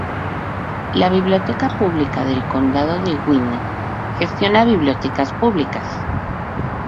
La Biblioteca Pública del Condado de Gwinnett gestiona bibliotecas públicas.